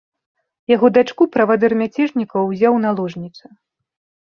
Яго дачку правадыр мяцежнікаў узяў у наложніцы.